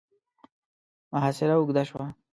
محاصره اوږده شوه.